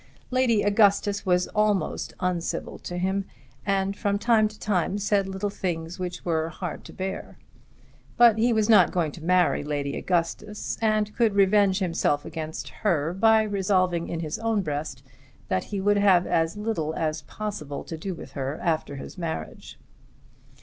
Lady Augustus was almost uncivil to him, and from time to time said little things which were hard to bear; but he was not going to marry Lady Augustus, and could revenge himself against her by resolving in his own breast that he would have as little as possible to do with her after his marriage.